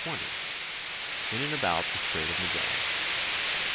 I51 XX. IN AND ABOUT THE STRAIT OF MAGELLAN.